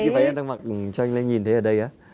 như cái váy em đang mặc cho anh ấy nhìn thấy ở đây á